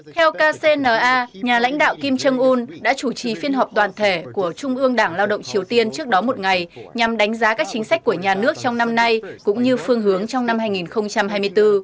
theo kcna nhà lãnh đạo kim trương un đã chủ trì phiên họp toàn thể của trung ương đảng lao động triều tiên trước đó một ngày nhằm đánh giá các chính sách của nhà nước trong năm nay cũng như phương hướng trong năm hai nghìn hai mươi bốn